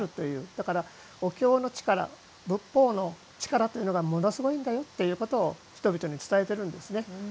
だから、お経の力仏法の力というのがものすごいんだということを人々に伝えているんですね。